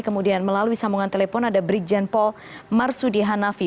kemudian melalui sambungan telepon ada brigjen paul marsudi hanafi